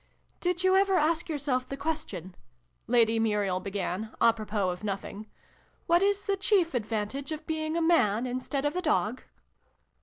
" Did you ever ask yourself the question," Lady Muriel began, a propos of nothing, " what is the chief advantage of being a Man instead of a Dog